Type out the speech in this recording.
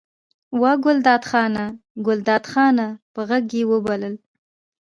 وه ګلداد خانه! ګلداد خانه! په غږ یې وبلل.